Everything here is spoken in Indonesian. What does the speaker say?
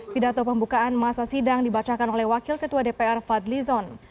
pidato pembukaan masa sidang dibacakan oleh wakil ketua dpr fadli zon